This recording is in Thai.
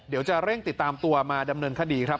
เดี๋ยวจะเร่งติดตามตัวมาดำเนินคดีครับ